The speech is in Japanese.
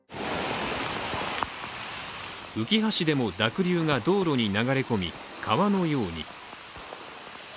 うきは市でも、濁流が道路に流れ込み川のように。